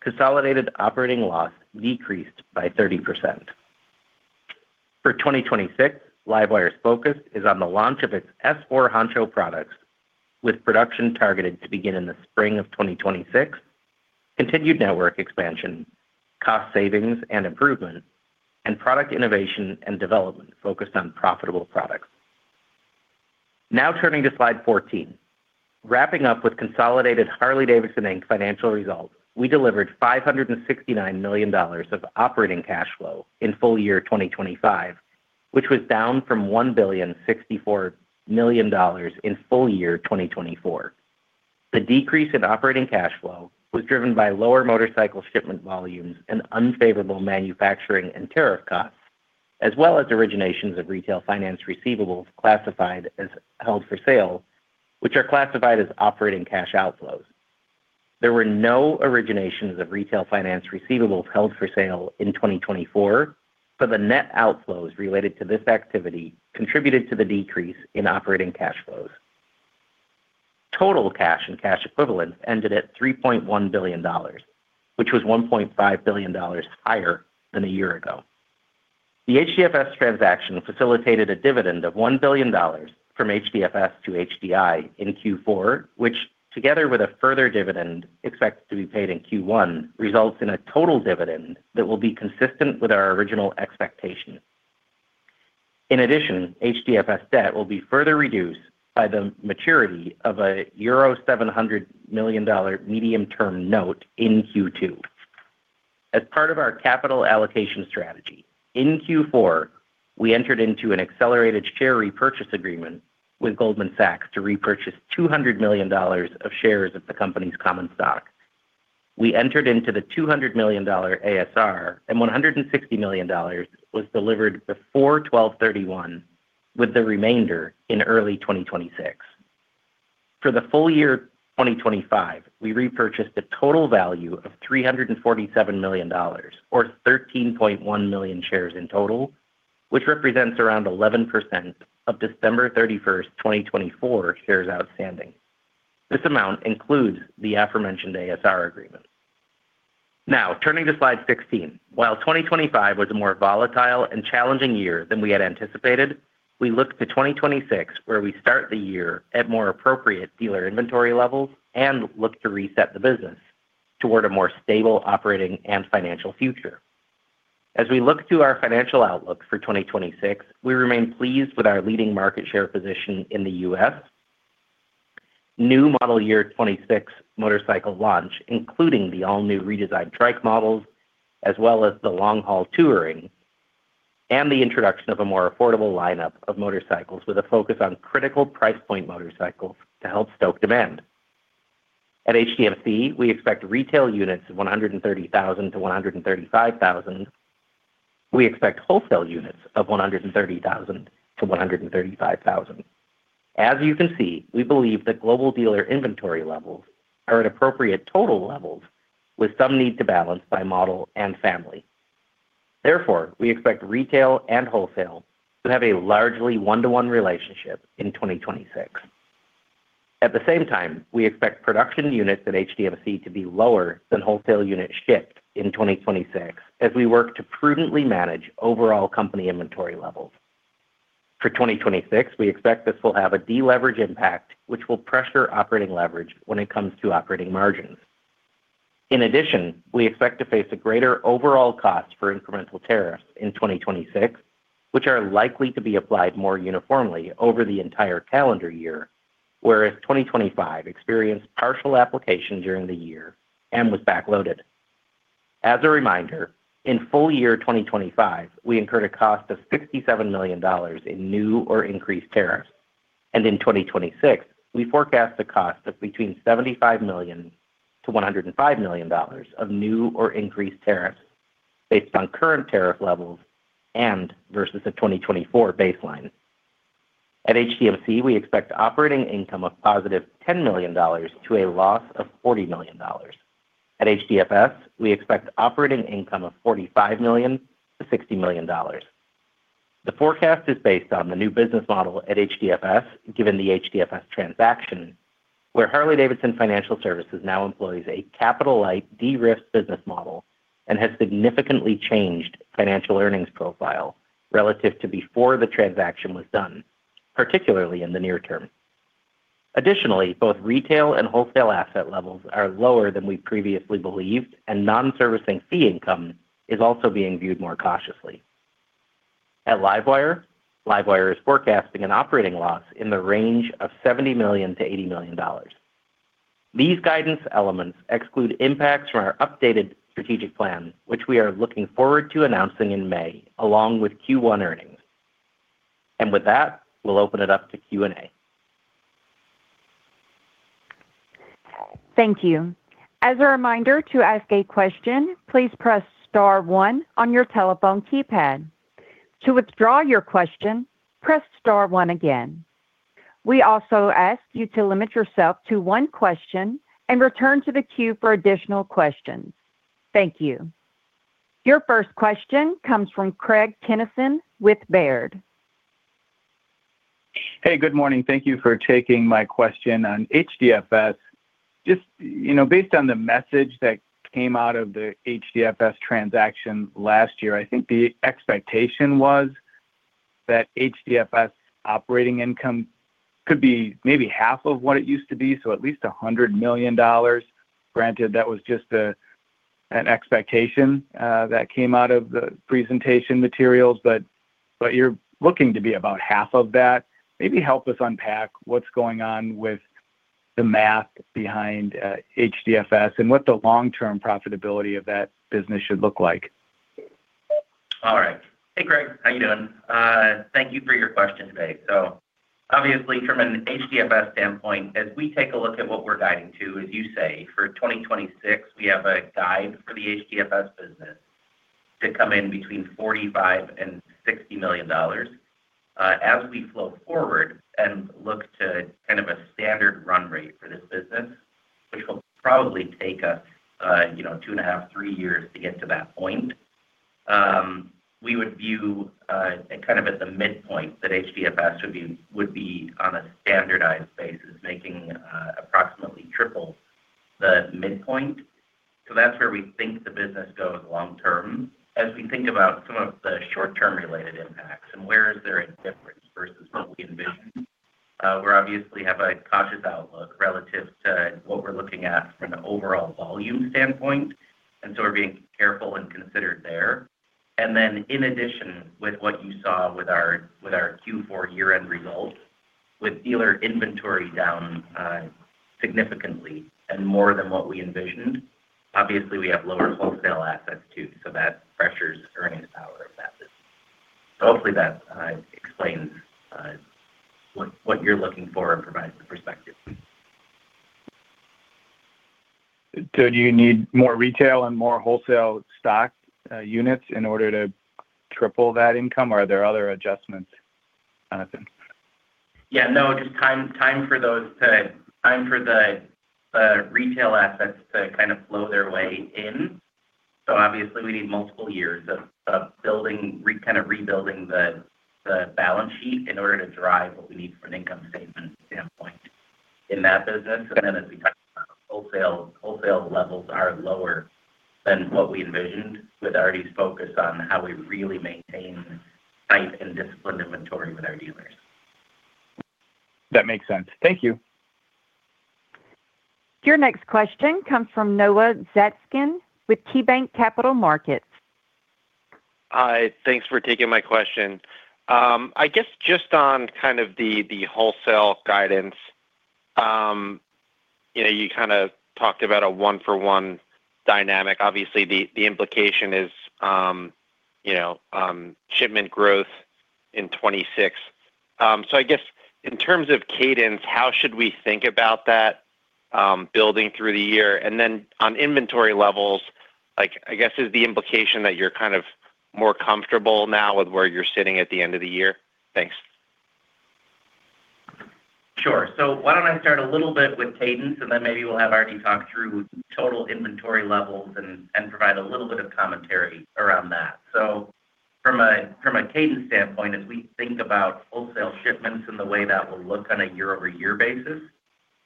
Consolidated operating loss decreased by 30%. For 2026, LiveWire's focus is on the launch of its S4 Honcho products, with production targeted to begin in the spring of 2026, continued network expansion, cost savings and improvement, and product innovation and development focused on profitable products. Now turning to slide 14. Wrapping up with consolidated Harley-Davidson Inc. financial results, we delivered $569 million of operating cash flow in full year 2025, which was down from $1.064 billion in full year 2024. The decrease in operating cash flow was driven by lower motorcycle shipment volumes and unfavorable manufacturing and tariff costs, as originations of retail finance receivables classified as held for sale, which are classified as operating cash outflows. There were no originations of retail finance receivables held for sale in 2024, but the net outflows related to this activity contributed to the decrease in operating cash flows.... Total cash and cash equivalents ended at $3.1 billion, which was $1.5 billion higher than a year ago. The HDFS transaction facilitated a dividend of $1 billion from HDFS to HDI in Q4, which, together with a further dividend expected to be paid in Q1, results in a total dividend that will be consistent with our original expectations. In addition, HDFS debt will be further reduced by the maturity of a euro 700 million medium-term note in Q2. As part of our capital allocation strategy, in Q4, we entered into an accelerated share repurchase agreement with Goldman Sachs to repurchase $200 million of shares of the company's common stock. We entered into the $200 million ASR, and $160 million was delivered before 12/31/2025, with the remainder in early 2026. For the full year 2025, we repurchased a total value of $347 million, or 13.1 million shares in total, which represents around 11% of December 31, 2024, shares outstanding. This amount includes the aforementioned ASR agreement. Now, turning to slide 16. While 2025 was a more volatile and challenging year than we had anticipated, we look to 2026, where we start the year at more appropriate dealer inventory levels and look to reset the business toward a more stable operating and financial future. As we look to our financial outlook for 2026, we remain pleased with our leading market share position in the US. New model year 2026 motorcycle launch, including the all-new redesigned trike models, as the long-haul Touring and the introduction of a more affordable lineup of motorcycles, with a focus on critical price point motorcycles to help stoke demand. At HDMC, we expect retail units of 130,000-135,000. We expect wholesale units of 130,000-135,000. As you can see, we believe that global dealer inventory levels are at appropriate total levels, with some need to balance by model and family. Therefore, we expect retail and wholesale to have a largely one-to-one relationship in 2026. At the same time, we expect production units at HDMC to be lower than wholesale units shipped in 2026 as we work to prudently manage overall company inventory levels. For 2026, we expect this will have a deleverage impact, which will pressure operating leverage when it comes to operating margins. In addition, we expect to face a greater overall cost for incremental tariffs in 2026, which are likely to be applied more uniformly over the entire calendar year, whereas 2025 experienced partial application during the year and was backloaded. As a reminder, in full year 2025, we incurred a cost of $67 million in new or increased tariffs, and in 2026, we forecast a cost of between $75 million and $105 million of new or increased tariffs based on current tariff levels and versus a 2024 baseline. At HDFS, we expect operating income of positive $10 million to a loss of $40 million. At HDFS, we expect operating income of $45 million-$60 million. The forecast is based on the new business model at HDFS, given the HDFS transaction, where Harley-Davidson Financial Services now employs a capital-light, de-risked business model and has significantly changed financial earnings profile relative to before the transaction was done, particularly in the near term. Additionally, both retail and wholesale asset levels are lower than we previously believed, and non-servicing fee income is also being viewed more cautiously. At LiveWire, LiveWire is forecasting an operating loss in the range of $70 million-$80 million. These guidance elements exclude impacts from our updated strategic plan, which we are looking forward to announcing in May, along with Q1 earnings. With that, we'll open it up to Q&A. Thank you. As a reminder, to ask a question, please press star one on your telephone keypad. To withdraw your question, press star one again. We also ask you to limit yourself to one question and return to the queue for additional questions. Thank you. Your first question comes from Craig Kennison with Baird. Good morning. Thank you for taking my question on HDFS. Just, you know, based on the message that came out of the HDFS transaction last year, I think the expectation was that HDFS operating income could be maybe half of what it used to be, so at least $100 million. Granted, that was just an expectation that came out of the presentation materials, but, but you're looking to be about half of that. Maybe help us unpack what's going on with the math behind HDFS and what the long-term profitability of that business should look like. All right. Craig, how you doing? Thank you for your question today. So obviously, from an HDFS standpoint, as we take a look at what we're guiding to, as you say, for 2026, we have a guide for the HDFS business to come in between $45 million and $60 million. As we flow forward and look to a standard run rate for this business, which will probably take us, you know, 2.5-3 years to get to that point, we would view, at the midpoint that HDFS would be on a standardized basis, making approximately triple the midpoint. So that's where we think the business goes long term. As we think about some of the short-term related impacts and where is there a difference versus what we envisioned, we obviously have a cautious outlook relative to what we're looking at from an overall volume standpoint, and so we're being careful and considered there. And then in addition, with what you saw with our Q4 year-end result, with dealer inventory down significantly and more than what we envisioned, obviously, we have lower wholesale assets too, so that pressures earnings power of that business. So hopefully that explains what you're looking for and provides some perspective. So do you need more retail and more wholesale stock units in order to triple that income, or are there other adjustments, Jonathan? No, just time for the retail assets to flow their way in. So obviously, we need multiple years of building, rebuilding the balance sheet in order to drive what we need from an income statement standpoint in that business. And then, as we talked about, wholesale. Wholesale levels are lower than what we envisioned with Artie's focus on how we really maintain tight and disciplined inventory with our dealers. That makes sense. Thank you. Your next question comes from Noah Zatzkin with KeyBanc Capital Markets. Hi, thanks for taking my question. I guess just on the wholesale guidance, you know, you talked about a one-for-one dynamic. Obviously, the implication is, you know, shipment growth in 2026. So I guess in terms of cadence, how should we think about that building through the year? And then on inventory levels, like, I guess, is the implication that you're more comfortable now with where you're sitting at the end of the year? Thanks. Sure. So why don't I start a little bit with cadence, and then maybe we'll have Artie talk through total inventory levels and provide a little bit of commentary around that. So from a cadence standpoint, as we think about wholesale shipments and the way that will look on a year-over-year basis,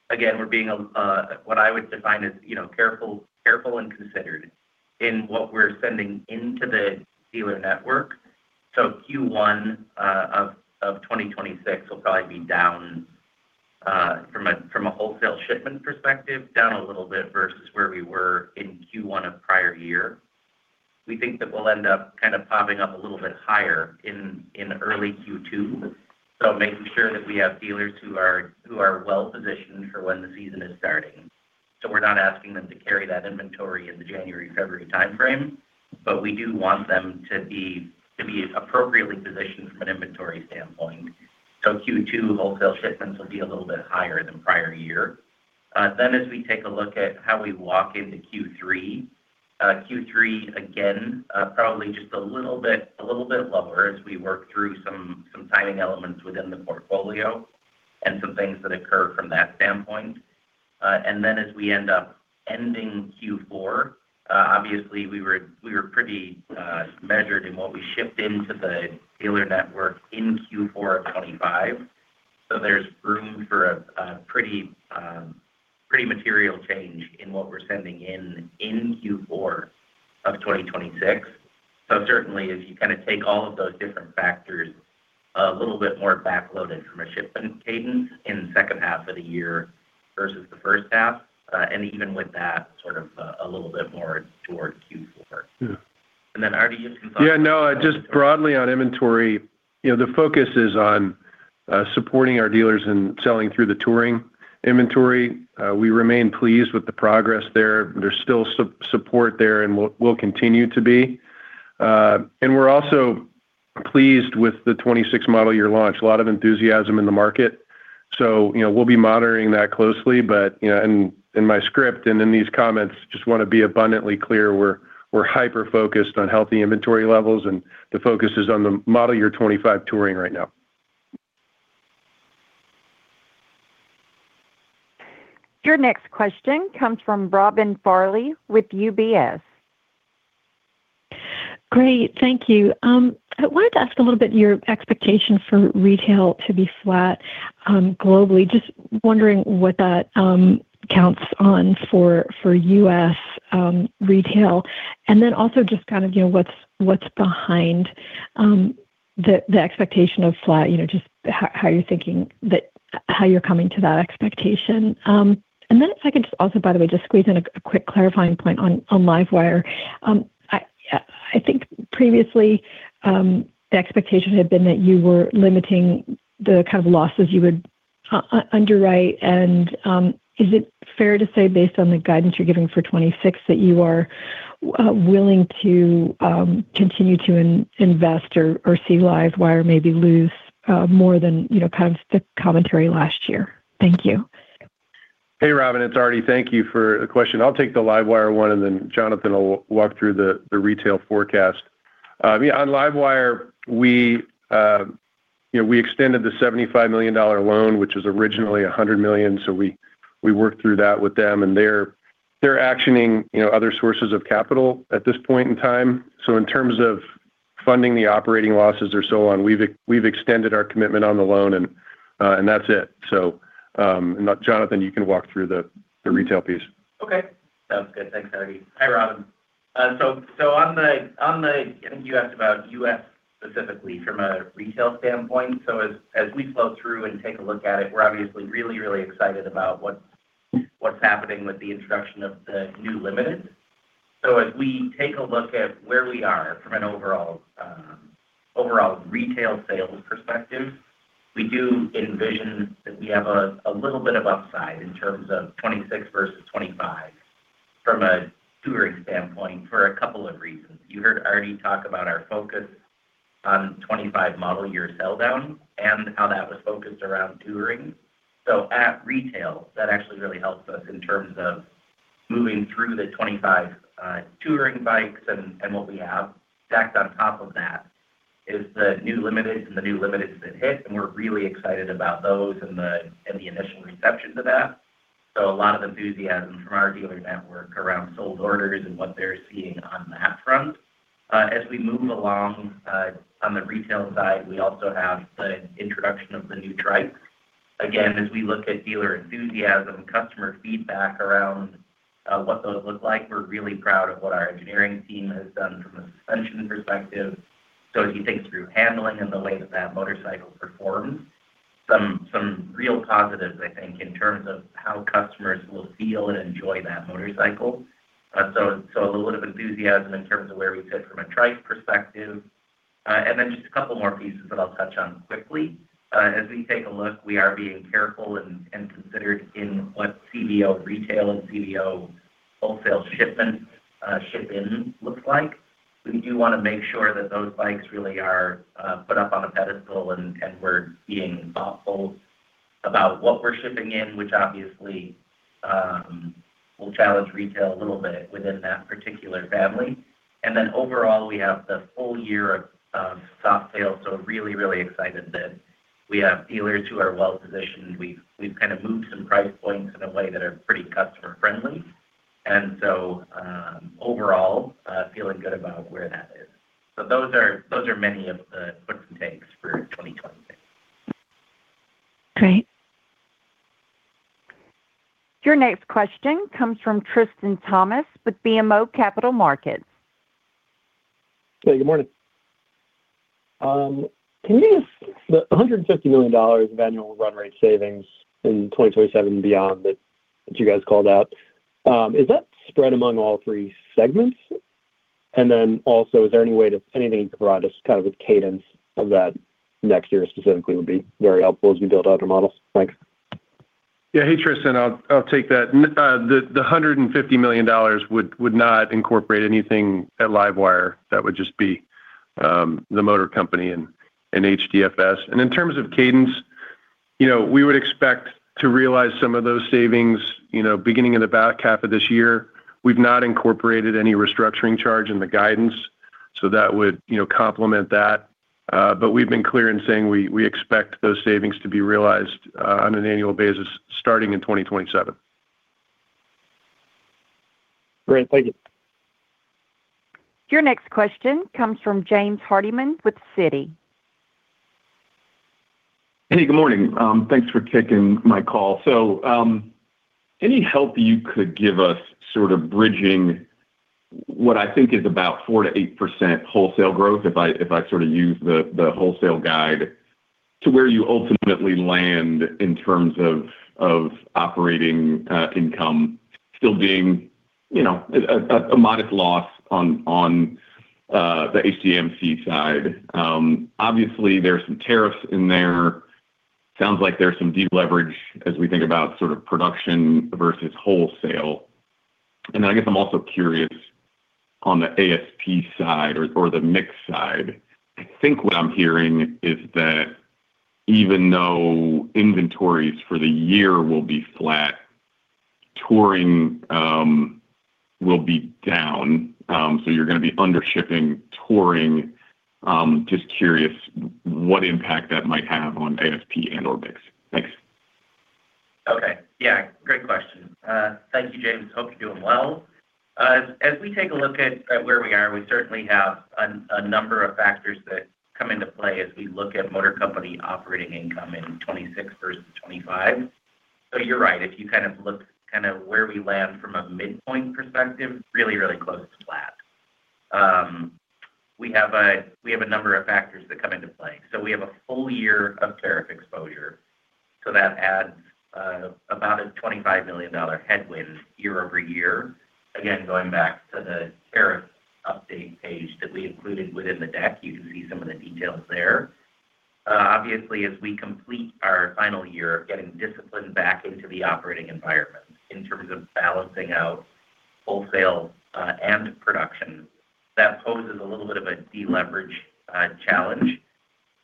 again, we're being what I would define as, you know, careful and considered in what we're sending into the dealer network. So Q1 of 2026 will probably be down from a wholesale shipment perspective, down a little bit versus where we were in Q1 of prior year. We think that we'll end up popping up a little bit higher in early Q2. So making sure that we have dealers who are well-positioned for when the season is starting. So we're not asking them to carry that inventory in the January, February timeframe, but we do want them to be appropriately positioned from an inventory standpoint. So Q2 wholesale shipments will be a little bit higher than prior year. Then, as we take a look at how we walk into Q3, Q3 again, probably just a little bit lower as we work through some timing elements within the portfolio and some things that occur from that standpoint. And then as we end up ending Q4, obviously, we were pretty measured in what we shipped into the dealer network in Q4 of 2025. So there's room for a pretty material change in what we're sending in Q4 of 2026. So certainly, as you take all of those different factors, a little bit more backloaded from a shipment cadence in the H2 of the year versus the H1, and even with that, a little bit more toward Q4. Yeah. And then, Artie, you can- No, just broadly on inventory, you know, the focus is on supporting our dealers and selling through the Touring inventory. We remain pleased with the progress there. There's still support there, and will continue to be. And we're also pleased with the 26 model year launch. A lot of enthusiasm in the market. So, you know, we'll be monitoring that closely. But, you know, in my script and in these comments, just want to be abundantly clear, we're hyper-focused on healthy inventory levels, and the focus is on the model year 25 Touring right now. Your next question comes from Robin Farley with UBS. Great. Thank you. I wanted to ask a little bit your expectation for retail to be flat, globally. Just wondering what that counts on for U.S. retail. And then also just, you know, what's behind the expectation of flat, you know, just how you're thinking that, how you're coming to that expectation. And then if I could just also, by the way, just squeeze in a quick clarifying point on LiveWire. I think previously the expectation had been that you were limiting the losses you would underwrite. And is it fair to say, based on the guidance you're giving for 2026, that you are willing to continue to invest or see LiveWire maybe lose more than, you know, the commentary last year? Thank you. Robin, it's Artie. Thank you for the question. I'll take the LiveWire one, and then Jonathan will walk through the retail forecast. On LiveWire, you know, we extended the $75 million loan, which was originally $100 million. So we worked through that with them, and they're actioning, you know, other sources of capital at this point in time. So in terms of funding the operating losses or so on, we've extended our commitment on the loan, and that's it. So, Jonathan, you can walk through the retail piece. Okay, sounds good. Thanks, Harvey. Hi, Robin. So on the, I think you asked about US specifically from a retail standpoint. So as we flow through and take a look at it, we're obviously really, really excited about what's happening with the introduction of the new Limited. So as we take a look at where we are from an overall retail sales perspective, we do envision that we have a little bit of upside in terms of 26 versus 25 from a Touring standpoint for a couple of reasons. You heard already talk about our focus on 25 model year sell down and how that was focused around Touring. So at retail, that actually really helps us in terms of moving through the 25 Touring bikes and what we have. Stacked on top of that is the new Limited and the new Limited that hit, and we're really excited about those and the initial reception to that. So a lot of enthusiasm from our dealer network around sold orders and what they're seeing on that front. As we move along, on the retail side, we also have the introduction of the new Trike. Again, as we look at dealer enthusiasm, customer feedback around what those look like, we're really proud of what our engineering team has done from a suspension perspective. So as you think through handling and the way that that motorcycle performs, some real positives, I think, in terms of how customers will feel and enjoy that motorcycle. So a little bit of enthusiasm in terms of where we sit from a Trike perspective. And then just a couple more pieces that I'll touch on quickly. As we take a look, we are being careful and considered in what CBO retail and CBO wholesale shipment ship in looks like. We do wanna make sure that those bikes really are put up on a pedestal, and we're being thoughtful about what we're shipping in, which obviously will challenge retail a little bit within that particular family. And then overall, we have the full year of soft sales, so really excited that we have dealers who are well-positioned. We've moved some price points in a way that are pretty customer-friendly, and so overall feeling good about where that is. So those are many of the puts and takes for 2026. Great. Your next question comes from Tristan Thomas with BMO Capital Markets. Good morning. The $150 million of annual run rate savings in 2027 beyond that, that you guys called out, is that spread among all three segments? And then also, is there any way to anything you can provide us, a cadence of that next year specifically, would be very helpful as we build out our models. Thanks. Tristan, I'll, I'll take that. The $150 million would not incorporate anything at LiveWire. That would just be the Motor Company and HDFS. And in terms of cadence, you know, we would expect to realize some of those savings, you know, beginning in the back half of this year. We've not incorporated any restructuring charge in the guidance, so that would, you know, complement that. But we've been clear in saying we, we expect those savings to be realized on an annual basis, starting in 2027. Great. Thank you. Your next question comes from James Hardiman with Citi. Good morning. Thanks for taking my call. So, any help you could give us bridging what I think is about 4%-8% wholesale growth, if I use the wholesale guide, to where you ultimately land in terms of operating income still being, you know, a modest loss on the HDMC side. Obviously, there are some tariffs in there. Sounds like there's some deleverage as we think about production versus wholesale. And then I guess I'm also curious on the ASP side or the mix side. I think what I'm hearing is that even though inventories for the year will be flat, Touring will be down, so you're gonna be under shipping Touring. Just curious what impact that might have on ASP and/or mix. Thanks. Okay. Great question. Thank you, James. Hope you're doing well. As we take a look at, at where we are, we certainly have a, a number of factors that come into play as we look at Motor Company operating income in 2026 versus 2025. So you're right. If you look where we land from a midpoint perspective, really, really close to flat. We have a, we have a number of factors that come into play. So we have a full year of tariff exposure, so that adds about a $25 million headwind year-over-year. Again, going back to the tariff update page that we included within the deck, you can see some of the details there. Obviously, as we complete our final year of getting discipline back into the operating environment in terms of balancing out wholesale, and production, that poses a little bit of a deleverage challenge.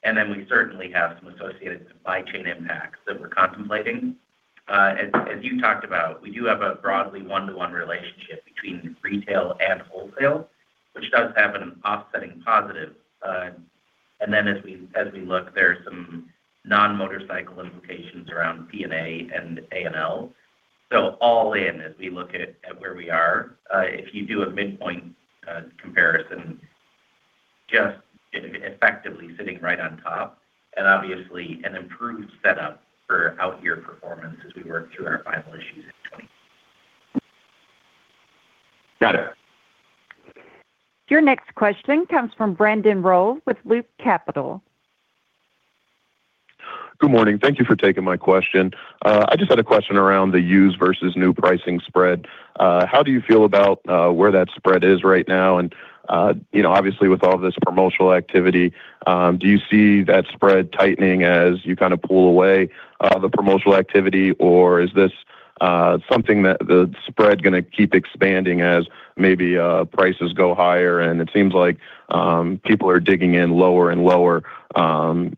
And then we certainly have some associated supply chain impacts that we're contemplating. As you talked about, we do have a broadly 1:1 relationship between retail and wholesale, which does have an offsetting positive. And then as we look, there are some non-motorcycle implications around PNA and ANL. So all in, as we look at where we are, if you do a midpoint comparison, just effectively sitting right on top and obviously an improved setup for out-year performance as we work through our final issues in 2020. Got it. Your next question comes from Brandon Rolle with Loop Capital. Good morning. Thank you for taking my question. I just had a question around the used versus new pricing spread. How do you feel about where that spread is right now? And, you know, obviously, with all this promotional activity, do you see that spread tightening as you kinda pull away the promotional activity? Or is this something that the spread gonna keep expanding as maybe prices go higher and it seems like people are digging in lower and lower,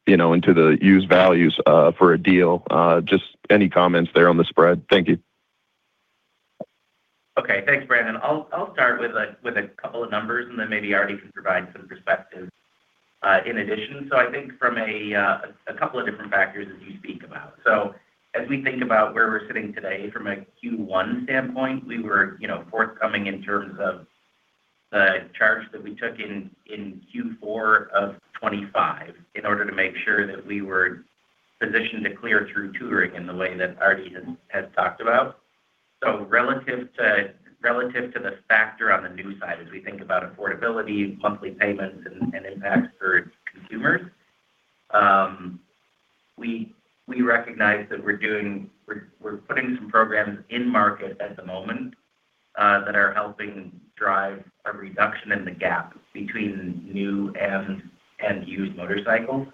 you know, into the used values for a deal? Just any comments there on the spread. Thank you. Okay. Thanks, Brandon. I'll start with a couple of numbers and then maybe Artie can provide some perspective in addition. So I think from a couple of different factors as you speak about. So as we think about where we're sitting today, from a Q1 standpoint, we were, you know, forthcoming in terms of the charge that we took in Q4 of $25 in order to make sure that we were positioned to clear through Touring in the way that Artie has talked about. So relative to the factor on the new side, as we think about affordability, monthly payments, and impacts for consumers, we recognize that we're putting some programs in market at the moment that are helping drive a reduction in the gap between new and used motorcycles.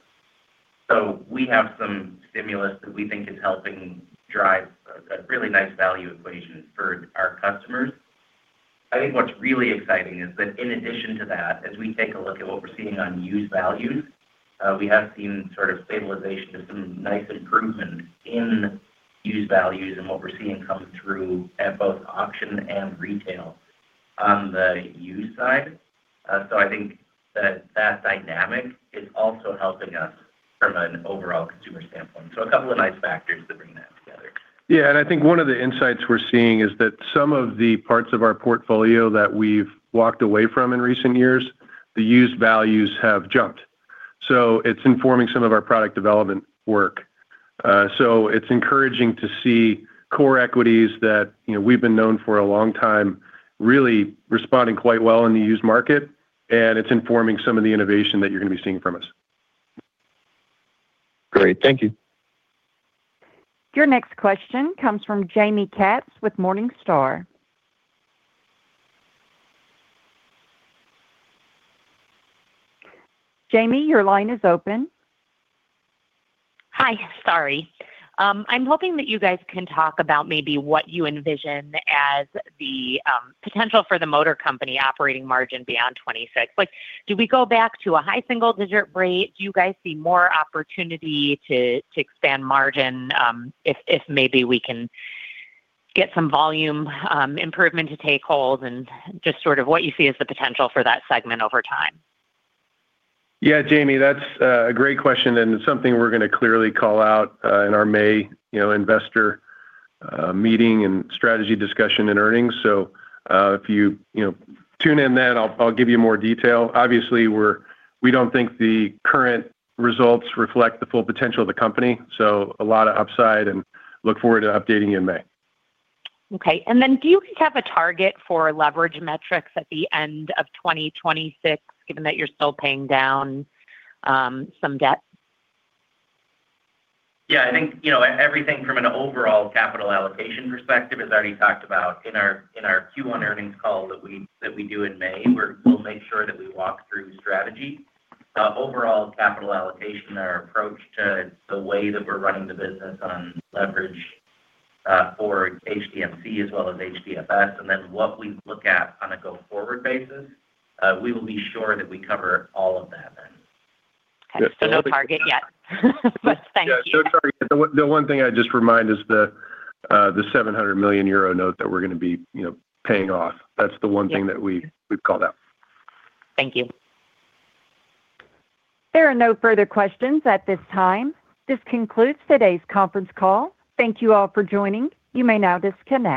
So we have some stimulus that we think is helping drive a really nice value equation for our customers. I think what's really exciting is that in addition to that, as we take a look at what we're seeing on used values, we have seen stabilization and some nice improvement in used values and what we're seeing come through at both auction and retail on the used side. So I think that that dynamic is also helping us from an overall consumer standpoint. So a couple of nice factors that bring that together. And I think one of the insights we're seeing is that some of the parts of our portfolio that we've walked away from in recent years, the used values have jumped. So it's informing some of our product development work. So it's encouraging to see core equities that, you know, we've been known for a long time, really responding quite in the used market, and it's informing some of the innovation that you're gonna be seeing from us. Great. Thank you. Your next question comes from Jamie Katz with Morningstar. Jamie, your line is open. Hi. Sorry. I'm hoping that you guys can talk about maybe what you envision as the potential for the Motor Company operating margin beyond 2026. Like, do we go back to a high single-digit rate? Do you guys see more opportunity to expand margin, if maybe we can get some volume improvement to take hold? And just what you see as the potential for that segment over time. Jamie, that's a great question, and it's something we're gonna clearly call out in our May, you know, investor meeting and strategy discussion and earnings. So, if you, you know, tune in then, I'll give you more detail. Obviously, we don't think the current results reflect the full potential of the company, so a lot of upside and look forward to updating you in May. Okay. And then do you have a target for leverage metrics at the end of 2026, given that you're still paying down some debt? I think, you know, everything from an overall capital allocation perspective is already talked about in our, in our Q1 earnings call that we, that we do in May, where we'll make sure that we walk through strategy. Overall capital allocation, our approach to the way that we're running the business on leverage, for HDMC as HDFS, and then what we look at on a go-forward basis, we will be sure that we cover all of that then. Okay. So no target yet, but thank you. So target. The one thing I'd just remind is the 700 million euro note that we're gonna be, you know, paying off. Yeah. That's the one thing that we've called out. Thank you. There are no further questions at this time. This concludes today's conference call. Thank you all for joining. You may now disconnect.